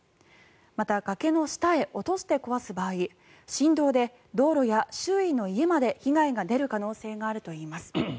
また、崖の下へ落として壊す場合振動で道路や周囲の家まで被害が出る可能性があるといいます。